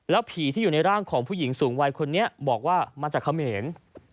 ผีที่อยู่ในร่างของผู้หญิงสูงวัยคนนี้บอกว่ามาจากเขมร